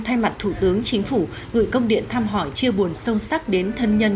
thay mặt thủ tướng chính phủ gửi công điện thăm hỏi chia buồn sâu sắc đến thân nhân